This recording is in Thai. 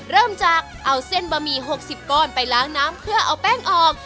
เริ่มจากเอาเส้นบะหมี่๖๐ก้อนไปล้างน้ำเพื่อเอาแป้งออก